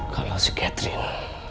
kalau si catherine